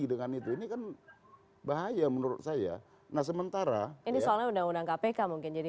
dengan itu ini kan bahaya menurut saya nah sementara ini soalnya undang undang kpk mungkin jadi